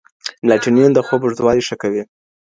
میلاټونین د خوب اوږدوالی ښه کوي.